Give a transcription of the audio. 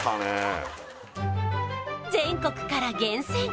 全国から厳選！